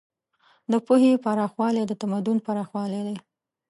د پوهې پراخوالی د تمدن پراخوالی دی.